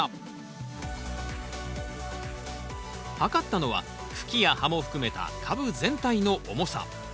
量ったのは茎や葉も含めた株全体の重さ。